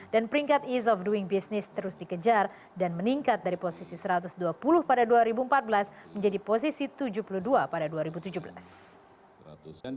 dan peringkat ease of doing business terus dikejar dan meningkat dari posisi satu ratus dua puluh pada dua ribu empat belas menjadi posisi tujuh puluh dua pada dua ribu tujuh belas